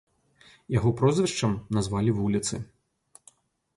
Яго прозвішчам назвалі вуліцы.